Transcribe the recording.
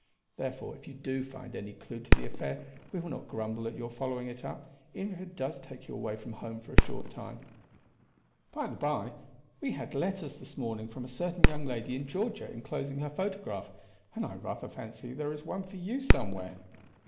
Therefore if you do find any clew to the affair we will not grumble at your following it up, even if it does take you away from home for a short time. By the by, we had letters this morning from a certain young lady in Georgia inclosing her photograph, and I rather fancy there is one for you somewhere."